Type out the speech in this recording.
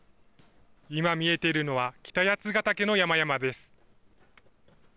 今見えているのは、北八ヶ岳の山々です。